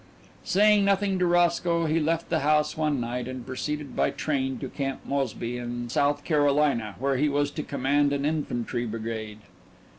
Saying nothing to Roscoe, he left the house one night and proceeded by train to Camp Mosby, in South Carolina, where he was to command an infantry brigade.